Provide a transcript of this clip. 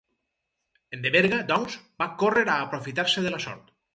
En Deberga, doncs, va córrer a aprofitar-se de la sort.